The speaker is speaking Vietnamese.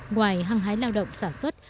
ngoài hăng hái lao động sản xuất